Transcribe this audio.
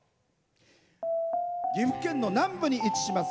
岐阜県の南部に位置します